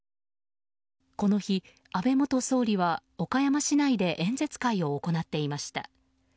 この日、安倍元総理は岡山市内で演説会を行っていました。